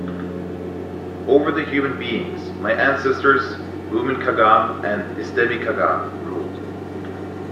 Over the human beings, my ancestors Bumin Kagan and Istemi Kagan ruled.